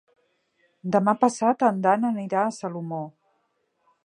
Demà passat en Dan anirà a Salomó.